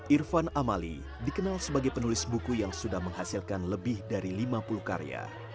irfan amali dikenal sebagai penulis buku yang sudah menghasilkan lebih dari lima puluh karya